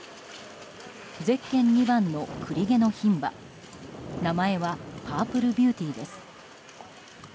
ゼッケン２番の栗毛の牝馬名前はパープルビューティーです。